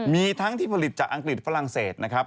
มีทั้งที่ผลิตจากอังกฤษฝรั่งเศสนะครับ